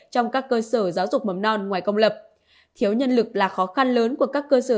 trong các cơ sở giáo dục mầm non ngoài công lập thiếu nhân lực là khó khăn lớn của các cơ sở